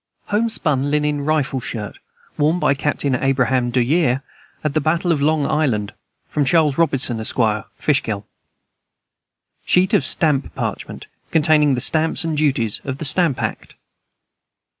Homespun linen rifle shirt, worn by Captain Abraham Duryea at the battle of Long Island. From Charles Robinson, Esq., Fishkill. Sheet of stamp parchment, containing the stamps and duties of the stamp act.